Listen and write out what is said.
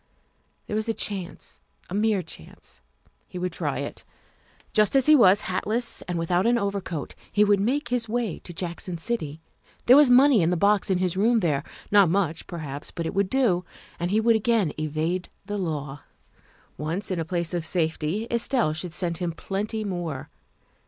There was a chance, a mere chance. He would try it. Just as he was, hatless and without an overcoat, he would make his way to Jackson City. There was money in the box in his room there. Not much, perhaps, but it would do, and he would again evade the law. Once in a place of safety, Estelle should send him plenty more.